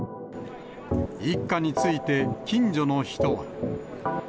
一家について、近所の人は。